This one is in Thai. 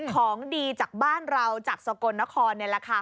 ของดีจากบ้านเราจากสกลนครนี่แหละค่ะ